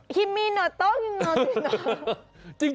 ฮิมมี่หน่อโต๊งหน่อโต๊ง